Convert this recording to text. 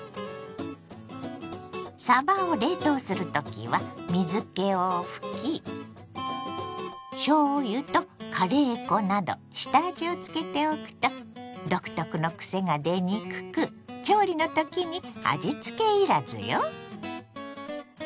さばを冷凍する時は水けを拭きしょうゆとカレー粉など下味をつけておくと独特のくせが出にくく調理の時に味つけ要らずよ。